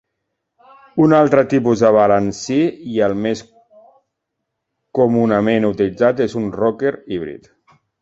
Un altre tipus de balancí i el més comunament utilitzat és un rocker híbrid.